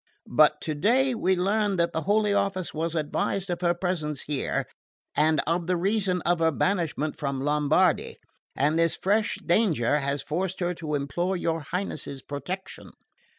But today we learned that the Holy Office was advised of her presence here, and of the reason of her banishment from Lombardy; and this fresh danger has forced her to implore your Highness's protection."